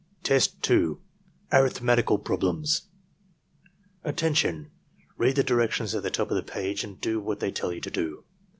Test 2.— Arifhmetical Problems "Attention! Read the directions at the top of the page and do what they tell you to do.